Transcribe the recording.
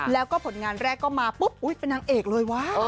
แล้วก็ผลงานแรกก็มาปุ๊บอุ๊ยเป็นนางเอกเลยวะ